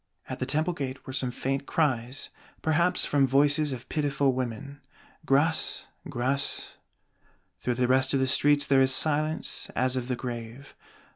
At the Temple gate were some faint cries, perhaps from voices of pitiful women: "Grâce! Grâce!" Through the rest of the streets there is silence as of the grave.